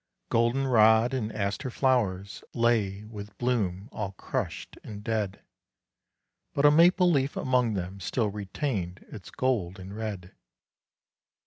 Golden rod and aster flowers lay with bloom all crushed and dead, But a maple leaf among them still retained its gold and red.